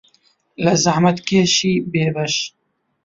لە زەحمەتکێشی بێبەش